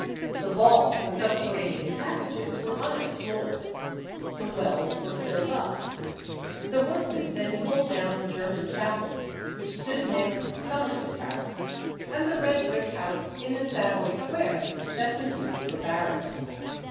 The vaults and subterranean passages were unexplored. The wells were filled up. The workmen then pulled down the German chapel, which stood next Somerset House, and the red brick house in the Savoy Square that was used for barracks.